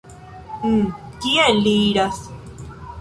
Uh... kien li iras?